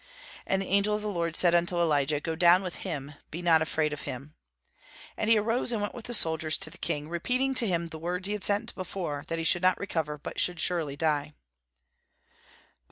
And the angel of the Lord said unto Elijah, "Go down with him; be not afraid of him." And he arose and went with the soldiers to the king, repeating to him the words he had sent before, that he should not recover, but should surely die.